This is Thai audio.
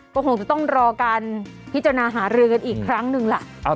ก็คงจะต้องรอการพิจารณาหารือกันอีกครั้งหนึ่งล่ะ